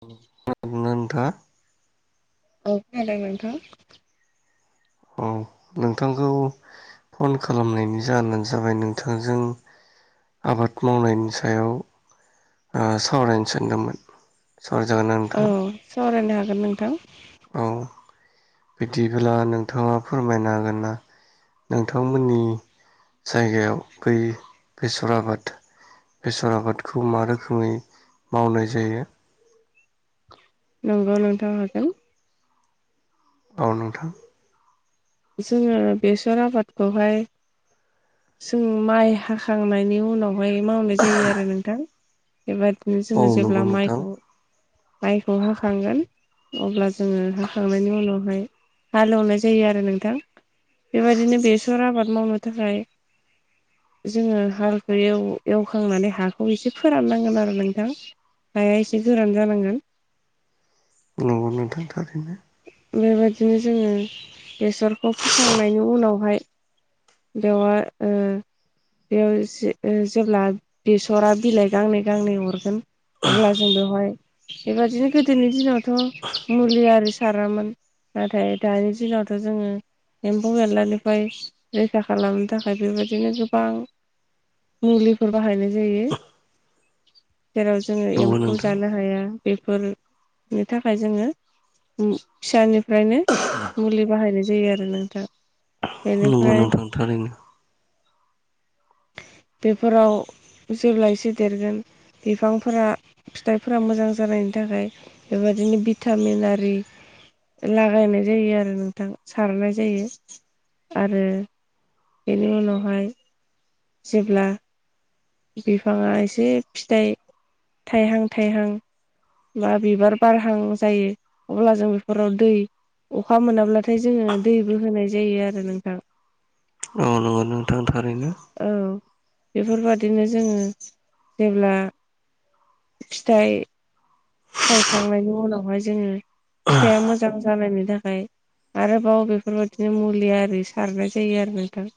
[unintelligible] नोंथां औ खोनादों नोंथां, औ नोंथांखौ फन खालामनायनि जाहोनानो जाबाय नोंथांजों आबाद मावनायनि सायाव आ, सावरायनो सानदोंमोन, ! सावराय जागोनना औ नोंथां? सावरायनो हागोन नोंथां, औ बिदिब्ला नोंथाङा फोरमायनो हागोन ना? नोंथांमोननि जायगायाव बै बेसर आबाद बेसर आबादखौ मा रोखोमै मावनाय जायो? नंगौ नोंथां हागोन, औ, नोंथां! जोङो बेसर आबादखौहाय जों माइ हाखांनायनि उनावहाय मावनाय जायो आरो नोंथां, बेबदिनो औ जोङो नंगौ जेब्ला नोंथां माइखौ, माइखौ हाखांगोन अब्ला जोङो हाखांनायनि उनावहाय हालेवनाय जायो आरो नोंथां। बेबायदिनो बेसर आबाद मावनो थाखाय जोङो हालखौ एव एवखांनानै हाखौ एसे फोराननांगोन आरो नोंथां हाया एसे गोरान जानांगोन नंगौ नोंथां थारैनो। बेबायदिनो जोङो बेसरखौ फोखांनायनि उनावहाय। बेवआ ओ बेयाव जे ओ जेब्ला बेसरा बिलाइ गांनै-गांनै हरगोन। अब्ला जों बेवहाय बेबादिनो गोदोनि दिनावथ' मुलि आरो सारामोन नाथाय दानि दिनावथ' जोङो एम्फौ एनलानिफ्राय रैखा खालामनो थाखाय बेबायदिनो गोबां। मुलिफोर बाहायनाय जायो। जेराव जोङो नंगौ एम्फौ नोंथां जानो हाया बेफोरनि थाखाय जोङो। फिसानिफ्रायनो मुलि बाहायनाय जायो आरो नोंथां बेनि नंगौ नोंथां थारैनो। बेफोराव जेब्लासे देरगोन बिफांफोरा फिथाइफोरा मोजां जानाय थाखाय बेबायदिनो भिटामिन आरि। लागायनाय जायो आरो नोंथां सारनाय जायो। आरो बेनि उनावहाय जेब्ला बिफाङा एसे फिथाइ थाइहां-थाइहां। बा बिबार बारहां जायो अब्ला जों बेफोराव दै। अखा मोनाब्लाथाय जोङो दैबो होनाय जायो आरो नोंथां। औ नं औ बेफोरबादिनो जोङो जेब्ला फिथाइ थायखांनायनि उनावहाय जोङो फिथाइआ मोजां जानायनि थाखाय आरोबाव बेफोरबायदिनो मुलि आरि सारनाय जायो आरो नोंथां।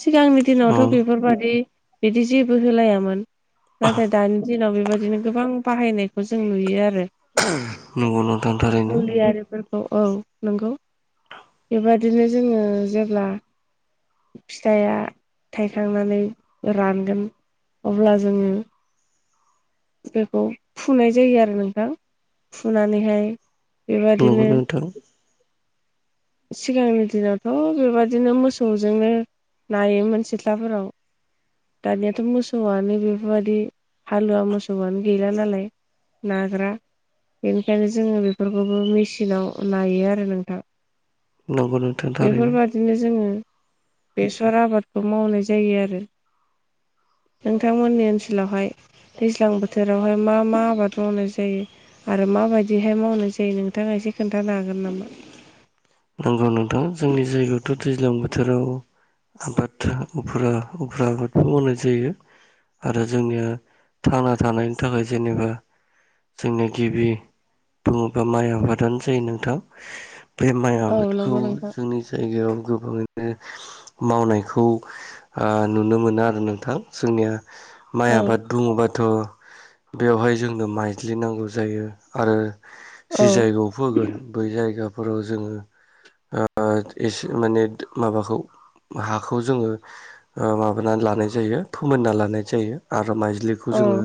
सिगांनि औ दिनावथ' बेफोरबायादि बिदि जेबो होलायामोन। नाथाय दानि दिनाव बेबायदिनो गोबां बाहायनायखौ जों नुयो आरो। नंगौ नोंथां थारैनो। औ-औ नंगौ बेबादिनो जोङो जेब्ला फिथाइआ थाइखांनानै रानगोन। अब्ला जोङो बेखौ फुनाय जायो आरो नोंथां फुनानैहाय नंगौ बेबादिनो नोंथां सिगांनि दिनावथ' बेबायदिनो मोसौजोंनो नायोमोन सिथ्लाफोराव। दानियाथ' मोसौआनो बेफोरबायदि हालुव मोसौआनो गैला नालाय। नाग्रा। बेनिखायनो जोङो बेफोरखौबो मेसिनाव लायो आरो नोंथां। नंगौ नोंथां थारैनो बेफोरबायादिनो जोङो बेसर आबादखौ मावनाय जायो आरो। [inaudible] नोंथांमोननि ओनसोलावहाय दैज्लां बोथोरावहाय मा मा आबाद मावनाय जायो? आरो म माबायदिहाय मावनाय जायो नोंथाङा एसे खोन्थानो हागोन नामा? नंगौ नोंथां जोंनि जायगायावथ' दैज्लां बो थोराव आबाद उफ्रा-उफ्रा आबादबो मावनाय जायो। आरो जोंनिया थांना थानायनि थाखाय जेनेबा जोंनिया गिबि बुङोबा माइ आबादानो जायो नोंथां बे माइ औ आबादखौ नंगौ नोंथां जोंनि जायगायाव गोबाङै नो मावनायखौ ए नुनो मोनो आरो नोंथां जोंनिया। माइ औ आबाद बुंङोबाथ' बेवहाय जोंनो माइज्लि नांगौ जायो आरो जि औ जायगायाव फोगोन बै जायगाफोराव जोङो ओ एसे माने माबाखौ। हाखौ जोङो माबानानै लानाय जायो फोमोनना लानाय जायो आरो। आरो माइज्लिखौ औ जोङो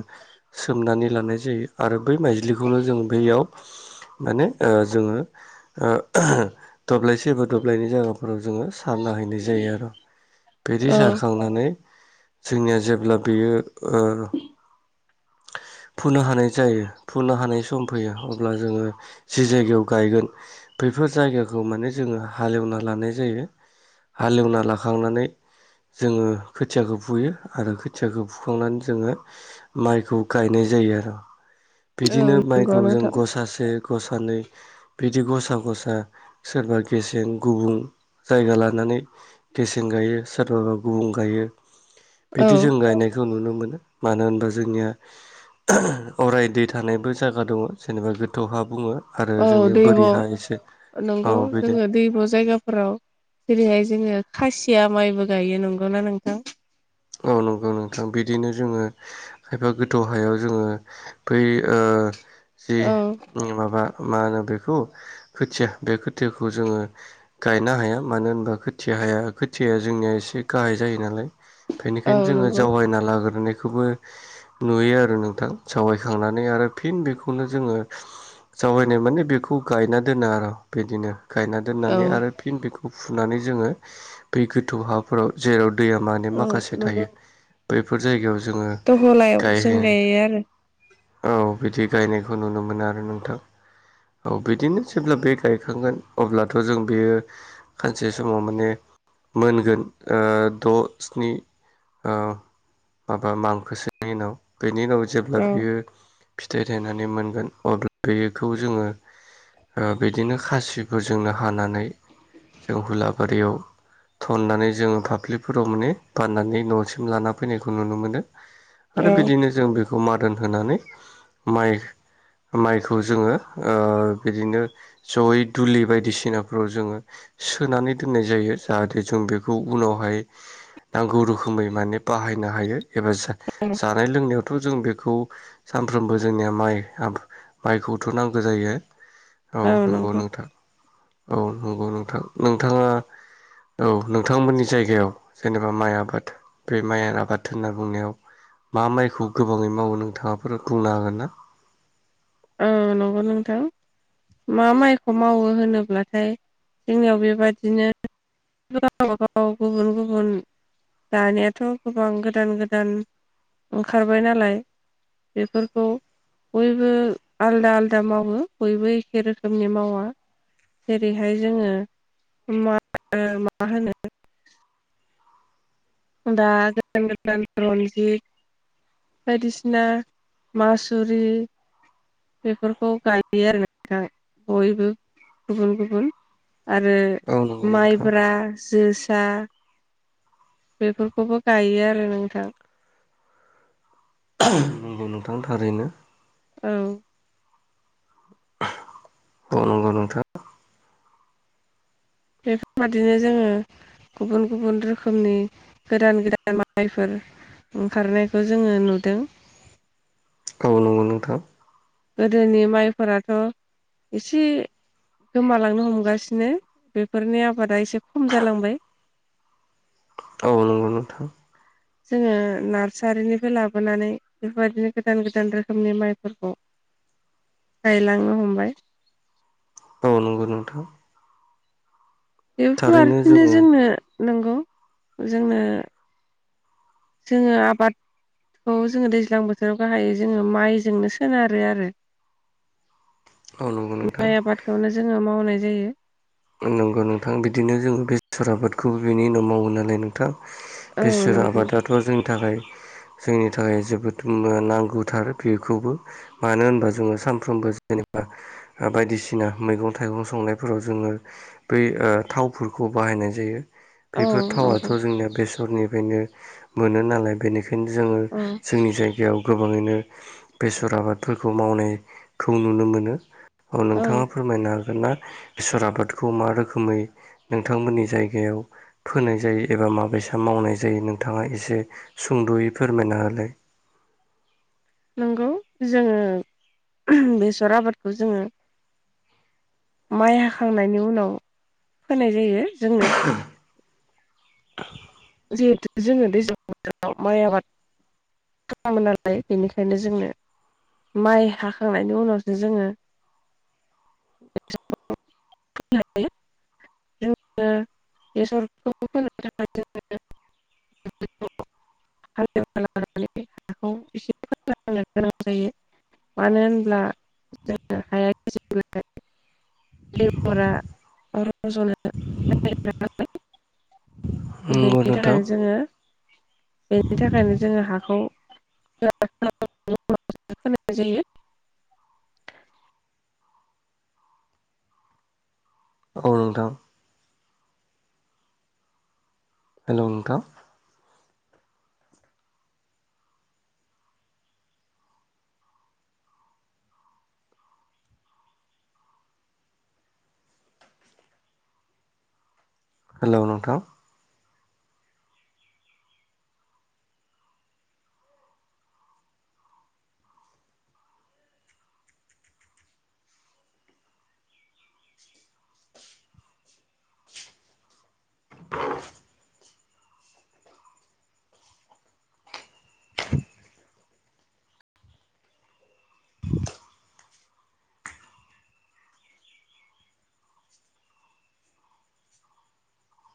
सोमनानै लानाय जायो आरो बै माइज्लिखौनो जों बैयाव माने ओ जोङो ओ दब्लायसे एबा दब्लायनि जायगाफोराव जोङो सारना हैनाय जायो आरो बिदि औ सारखांनानै जोंनिया जेब्ला बेयो ओ फुनो हानाय जायो फुनो हानाय सम फैयो अब्ला जोङो जि जायगायाव गायगोन बे बेफोर जायगाखौ माने जोङो हालेवना लानाय जायो हालेवना लाखांनानै जोङो खोथियाखौ बुयो आरो खोथियाखौ बुखांनानै जोङो माइखौ गायनाय ज जायो आरो। औ बिदिनो नंगौ माइखौ जों नोंथां गसासे गसानै बिदि गसा गसा सोरबा गेसें गुबुं जायगा लानानै गेसें गायो सोरबाबा गुबुं गायो। औ बिदि जों गायनायखौ नुनो मोनो मानो होनबा जोंनिया अराय दै थानायबो जायगा दङ जेनेबा गोथौहा बुङो। आरो जोंनि दैब' बोरिहा एसे औ नंगौ जोङो दैम' जायगाफोराव जेरैहाय आय जोङो खासिया माइबो गायो नंगौनाा नोंथां? औ नंगौ नोंथां बिदिनो जोङो खायफा गोथौ हायाव जोङो बै ओ ओ जि औ माबा ओ मा होनो बेखौ खोथिया बे खोथियाखौ जोङो गायनो हाया मानो होनबा खोथिया हाया खथिया जोंनिया एसे गाहाय जायो नालाय औ बेनिखायनो जोङो नंगौ जावायना लाग्रोनाय खौबो नुयो आरो नोंथां सावायखांनानै आरो फिन बेखौनो जोङो जावरायनाय माने बेखौ गायना दोनो आरो बिदिनो गायना औ दोननानै आरो फिन बेखौ फुनानै जोङो ब गोथौ हाफोराव जेराव दैया मान औ माखासे नंगौ थायो बैफोर जायगायाव जोङो दहलायाव जों गायहनाय- गायो आरो औ बिदि गायनायखौ नुनो मोनो आरो नोंथां। औ बिदिनो जेब्ला बे गायखांगोन अब्लाथ' जों बेयो खाननसे समाव माने मोनगोन ओ द' स्नि औ माबा मांखोसोनि उनाव बेनि उनाव जेब्ला बियो फिथाइ थायनानै मोनगोन अब्ला बेखौ जोङो ओ बिदिनो खासिखौ जोंनो हानानै जों हुलाबारियाव थननानै जोङो फाफ्लिफोराव माने बाननानै न'सिम लाना फैनायखौ नुनो मोनो आरो औ बिदिनो जों बेख खौ मादोन होनानै माइ माइखौ जोङो ओ बिदिनो जयै दुलि बायदिसिनाफ्राव जोङो सोनानै दोननाय जायो जाहाथे जों बेखौ उनावहाय नांगौ रोखोमै माने बाहायनो हायो एबा औ जानाय लोंनायाव थ' जों बेखौ सानफ्रोमबो जोंनिया माइ माइखौथ' नांगो जायो। औ नंगौ नोंथाङ। औ नंगौ नोंथां नोंथाङा औ नोंथांमोननि जायगायाव जेनेबा माइ आबाद बे माइ आबाद होनना बुंनायाव मा माइखौ गोबाङै मावो नोंथाङाफोर बुंनो हागोन ना? औ नंगौ नोंथां। मा माइखौ मावो होनोब्लाथाय जोंनियाव बेबादिनो गाव गाव गुबुन गुबुन दानिाथ' गोबां गोदान गोदान ओंखारबाय नालाय बेफोरखौ बयबो आलदा आलदा मावो बयबो एखे रोखोमनि मावा। जेरैहाय जोङो मा मा होनो दा गोदान गोदान रनजिद बायदिसिना मासुरि बेफोरखौ गायो आरो नों बयबो गुबुन गुबुन आरो औ नंगौ नोंथां माइब्रा जोसा बेफोरखौबो गायो आरो नोंथां नंगौ नोंथां थारैनो औ औ नंगौ नोंथां बेफोरबादिनो जोंङो गुबुन गुबुन रोखोमनि गोदान गोदान माइफोर ओंखारनायखौ जोंङो नुदों। औ नंगौ न गोदोनि माइफोराथ' एसे गोमालांनो हमगासिनो बेफोरनि आबादा एसे खम जालांबाय। औ नंगौ नोंथां जोंङो नार्सारिनिफ्राय लाबोनानै बेफोरबायदिनो गोदान गोदान रोखोमनि माइफोरखौ [inaudible] गायलाङो हमबाय। औ नंगौ नो बेथ आरो थारैनो बिदिनो जोङो जोंनो नंगौ जोंनो जोंङो आबाद थ जोंङो दैज्लां बोथोराव गाहायै जोंङो माइजोंनो सोनारो आरो। [inaudible] नंगौ नोंथां माइ आबादखौनो जोंङो मावनाय जायो। नंगौ नोंथां बिदिनो जोंङो बेसर आबादखौबो बिनि उनाव मावो नालाय नोंथां। औ बेसोर नंगौ आबादाथ' जोंनि थाखाय जोंनि थाखाय जोबोद नांगौथार बेखौबो मानो होनबा जोंङो सानफ्रोमबो जेन बायदिसिना मैगं थाइगं संनायफोराव जोंङो बै ओ थावफोरखौ बाहायनाय जायो। औ बेफोर थावआथ' नंगौ जोंनिया बेसरनिफ्रायनो मोनो नालाय बेनिखायनो बेखायनो जोंङो औ जोंनि जायगायाव गोबाङैनो बेसर आबादफोरखौ मावनाय खौ नुनो मोनो औ नोंथाङा फोरमायनो हागोन ना बेसोर आबाद बे खौ मा रोखोमै नोंथांमोननि जायगायाव फोनाय जायो एबा माबेसा मावनाय जायो नों नोंथाङा एसे सुंद'यै फोरमायना होलाय। गौ जोंङो बेसर आबादखौ जोंङो माइ हाखांनायनि उनाव फोनाय जायो जोंनो जिहेथु जोङो दैज्लां बोथोराव माइ आबाद खालामो नालाय बेनिखायनो जोंनो माइ हाखांनायनि उनावसो जोंङो [inaudible] [unintelligible] [unintelligible] [unintelligible] नो गोनां जायो मानो होनब्ला जों हाया [unintelligible] नंगौ बेनि नोंथां थाखायनो जोंङो बेनि थाखायनो जोंङो हाखौ [unintelligible] [unintelligible] नाय जायो। [inaudible] औ नोंथां हेलौ नोंथां हेलौ नोंथां